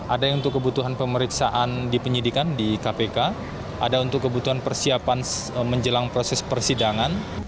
ada yang untuk kebutuhan pemeriksaan di penyidikan di kpk ada untuk kebutuhan persiapan menjelang proses persidangan